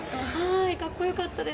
かっこよかったです。